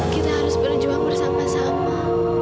kita harus berjuang bersama sama